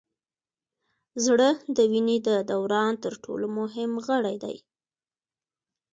زړه د وینې د دوران تر ټولو مهم غړی دی